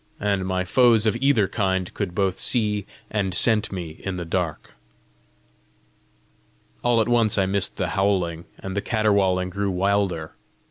and my foes of either kind could both see and scent me in the dark! All at once I missed the howling, and the caterwauling grew wilder.